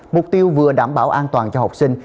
mục tiêu vừa đảm bảo an toàn cho học sinh